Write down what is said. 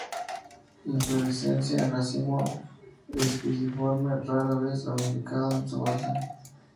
Inflorescencia en racimo espiciforme, rara vez ramificado en su base.